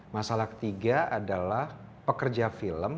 masalah ketiga adalah pekerja film